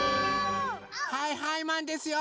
はいはいマンですよ！